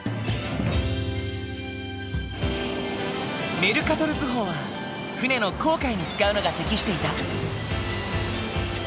メルカトル図法は船の航海に使うのが適していた。